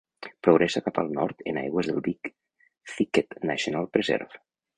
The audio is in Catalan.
Progressa cap al nord en aigües del "Big Thicket National Preserve".